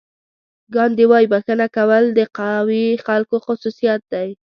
ګاندي وایي بښنه کول د قوي خلکو خصوصیت دی.